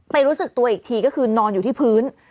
รู้สึกตัวอีกทีก็คือนอนอยู่ที่พื้น